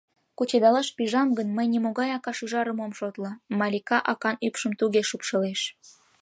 — Кучедалаш пижам гын, мый нимогай ака-шӱжарым ом шотло, — Малика «акан» ӱпшым туге шупшылеш...